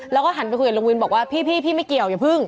แล้วก็หันไปคุยกับลุงวินบอกว่าพี่ไม่เกี่ยวอย่าพึ่ง